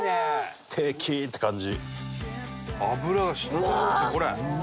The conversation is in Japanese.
ステーキ！って感じ。